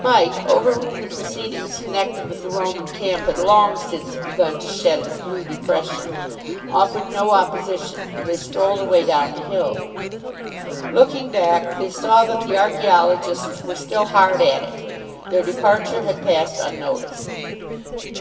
Mike, over whom the proceedings connected with the Roman camp had long since begun to shed a blue depression, offered no opposition, and they strolled away down the hill. Looking back, they saw that the archaeologists were still hard at it. Their departure had passed unnoticed.